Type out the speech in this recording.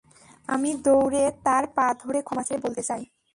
আমি দৌড়ে তার পা ধরে ক্ষমা চেয়ে বলতে চাই।